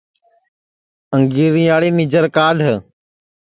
انگریاڑِ نیجر کاڈھ